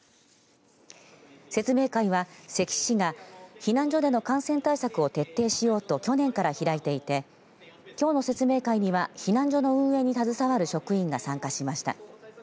説明会は、関市が避難所での感染対策を徹底しようと去年から開いていてきょうの説明会には避難所の運営に携わる職員が参加しました。